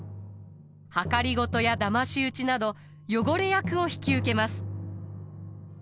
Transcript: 謀やだまし討ちなど汚れ役を引き受けます。